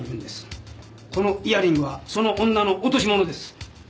このイヤリングはその女の落とし物です。